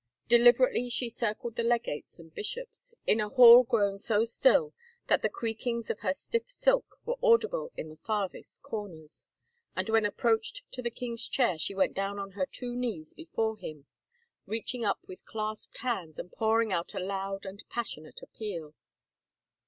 Deliberately she circled the legates and bishops, in a hall grown so still that the creakings of her stiff silk were audible in the farthest comers, and when approached to the king's chair she went down on her two knees before him, reaching up with clasped hands and pouring out a loud and passionate appeal.